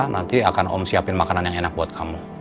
nanti akan om siapin makanan yang enak buat kamu